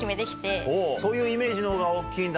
そういうイメージのほうが大っきいんだ